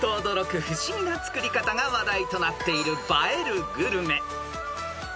驚く不思議な作り方が話題となっている映えるグルメ］